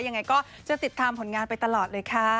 ยังไงก็จะติดตามผลงานไปตลอดเลยค่ะ